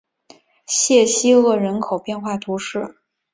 谢西厄人口变化图示